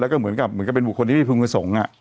ก็เหมือนกับคือเป็นผู้คนที่โทษส่ง